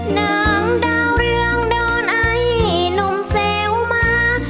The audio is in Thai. นางดาวเรืองโดนไอ้นมเซวมา